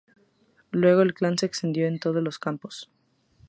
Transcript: Luego el clan se extendió en todos los campos.